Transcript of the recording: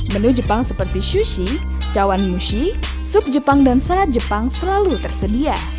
menu jepang seperti sushi cawan yushi sup jepang dan salad jepang selalu tersedia